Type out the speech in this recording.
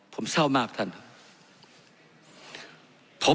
ผมเศร้ามากท่าน